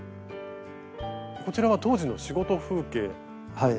こちらは当時の仕事風景。